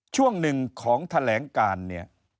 ช่วงหนึ่งของแถลงการเนี่ย